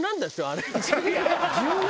あれ。